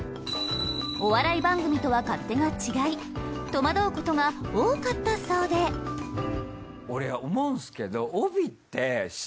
お笑い番組とは勝手が違い戸惑うことが多かったそうで俺思うんですけど。